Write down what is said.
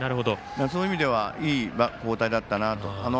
そういう意味ではいい交代だったなと。